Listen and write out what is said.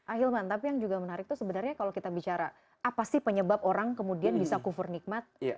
ahilman tapi yang juga menarik itu sebenarnya kalau kita bicara apa sih penyebab orang kemudian bisa kufur nikmat